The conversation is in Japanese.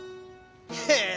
へえ！